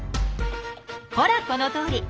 ほらこのとおり。